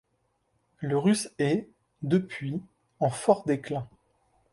Le russe est, depuis, en fort déclin.